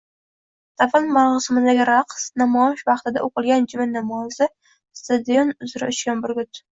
Dafn marosimidagi raqs, namoyish vaqtida o‘qilgan juma namozi, stadion uzra uchgan burgut